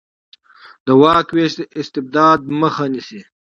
د واک وېش د استبداد مخه نیسي